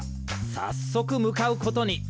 早速、向かうことに。